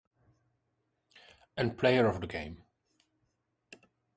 And Player of the Game.